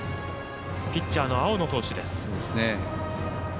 ピッチャーの青野投手です。